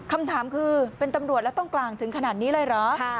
คำถามคือเป็นตำรวจแล้วต้องกลางถึงขนาดนี้เลยเหรอ